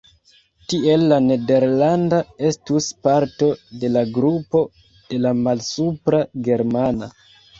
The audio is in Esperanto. Tiel la nederlanda estus parto de la grupo de la malsupra germana.